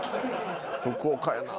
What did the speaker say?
福岡やな。